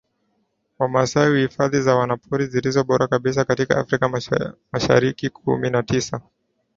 Wamasai ina Hifadhi za Wanyamapori zilizo bora kabisa kote Afrika Masharikikumi na sita